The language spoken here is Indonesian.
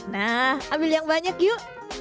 nah ambil yang banyak yuk